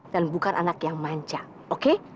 dan bukan anak yang manca oke